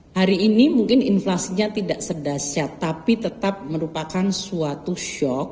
hari ini mungkin inflasinya tidak sedasyat tapi tetap merupakan suatu shock